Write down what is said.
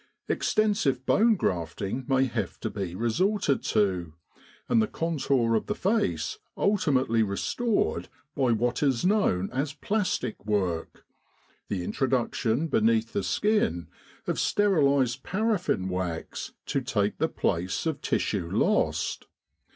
Extensive bone grafting may have to be resorted to, and the contour of the face ultimately restored by what is known as plastic work the introduction beneath the skin of sterilised paraffin wax to take the place of tissue lost.